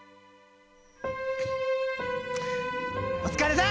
お疲れさん！